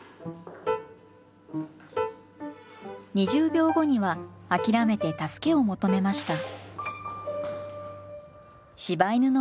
２０秒後には諦めて助けを求めました。